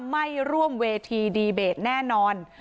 ไม่ร่วมเวทีดีเบตแน่นอน